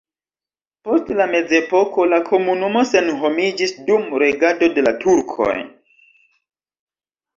Post la mezepoko la komunumo senhomiĝis dum regado de la turkoj.